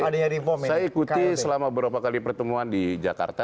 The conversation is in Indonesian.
kalau yang saya ikuti ya saya ikuti selama beberapa kali pertemuan di jakarta